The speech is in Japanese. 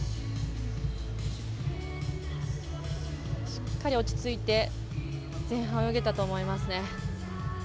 しっかり落ち着いて前半、泳げたと思います。